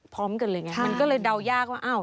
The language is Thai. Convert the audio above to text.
พร้อมกันเลยไงมันก็เลยเดายากว่าอ้าว